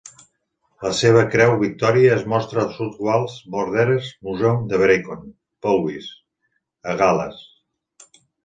La seva Creu Victoria es mostra South Wales Borderers Museum de Brecon (Powys), a Gal·les.